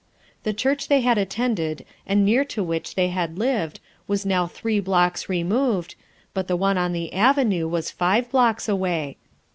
The church they had attended and near to which they had lived was now three blocks removed, but the one on the avenue was five blocks away.